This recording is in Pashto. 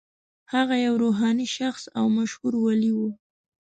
هغه یو روحاني شخص او مشهور ولي و.